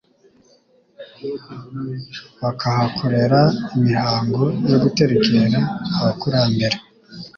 bakahakorera imihango yo guterekera abakurambere